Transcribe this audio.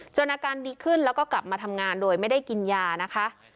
อาการดีขึ้นแล้วก็กลับมาทำงานโดยไม่ได้กินยานะคะ